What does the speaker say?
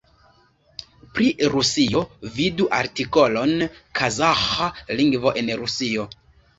Pri Rusio vidu artikolon Kazaĥa lingvo en Rusio.